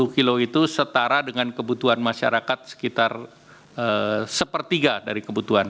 dua puluh kilo itu setara dengan kebutuhan masyarakat sekitar sepertiga dari kebutuhan